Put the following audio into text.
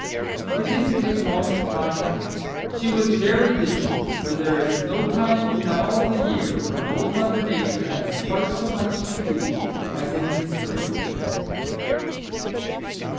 It didn't take long to find her. She was very busy, for there is no time in all the year when Old Mother Nature has quite so much to do as in the spring.